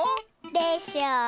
でしょう。